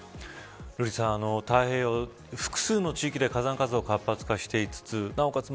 瑠麗さん、太平洋複数の地域で火山活動が活発化しつつなおかつ